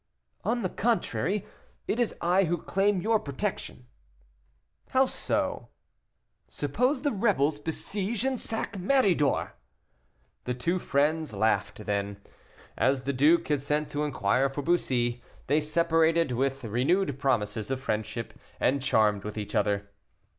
"On the contrary, it is I who claim your protection." "How so?" "Suppose the rebels besiege and sack Méridor." The two friends laughed; then, as the duke had sent to inquire for Bussy, they separated with renewed promises of friendship, and charmed with each other.